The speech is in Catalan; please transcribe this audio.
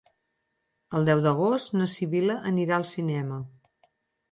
El deu d'agost na Sibil·la anirà al cinema.